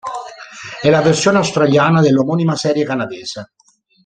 È la versione australiana dell'omonima serie canadese.